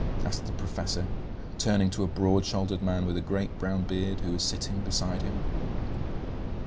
asked the professor, turning to a broad shouldered man with a great brown beard, who was sitting beside him.